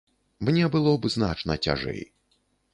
Мне было б значна цяжэй.